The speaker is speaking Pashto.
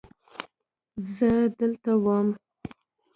زه دلته وم.